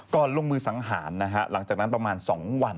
ลงมือสังหารนะฮะหลังจากนั้นประมาณ๒วัน